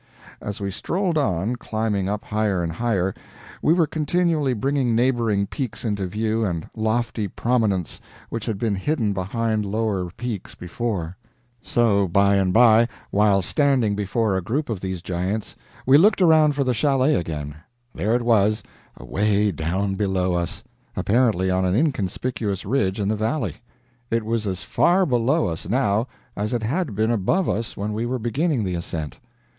As we strolled on, climbing up higher and higher, we were continually bringing neighboring peaks into view and lofty prominence which had been hidden behind lower peaks before; so by and by, while standing before a group of these giants, we looked around for the chalet again; there it was, away down below us, apparently on an inconspicuous ridge in the valley! It was as far below us, now, as it had been above us when we were beginning the ascent.